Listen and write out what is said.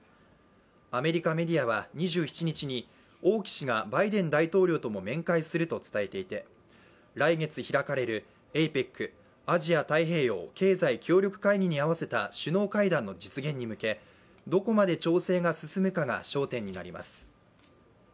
アメリカメディアは２７日に王毅氏がバイデン大統領とも面会すると伝えていて、来月、開かれるＡＰＥＣ＝アジア太平洋経済協力会議に合わせた首脳会談の実現に向けどこまで調整が進むかが焦点となります。